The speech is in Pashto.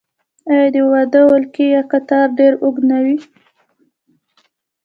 آیا د واده ولکۍ یا قطار ډیر اوږد نه وي؟